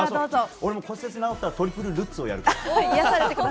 俺も骨折治ったらトリプルルッツやるわ。